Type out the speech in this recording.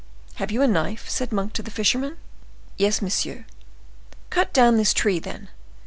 "Have you a knife?" said Monk to the fisherman. "Yes, monsieur." "Cut down this tree, then."